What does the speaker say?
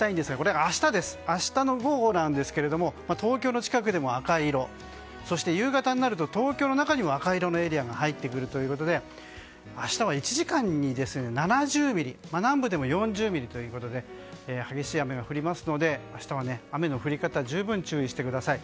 明日の午後なんですが東京の近くでも赤い色で夕方になると東京の中にも赤色のエリアが入ってくるということで明日は１時間に７０ミリ南部でも４０ミリということで激しい雨が降るので明日は雨の降り方に十分注意してください。